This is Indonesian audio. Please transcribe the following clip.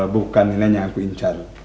bukan nilainya aku incar